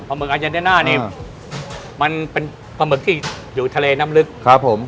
หมึกอาเจนเดน่านี่มันเป็นปลาหมึกที่อยู่ทะเลน้ำลึกครับผม